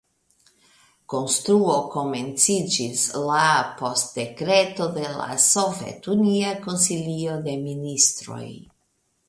Konstruo komenciĝis la post dekreto de la Sovetunia Konsilio de Ministroj.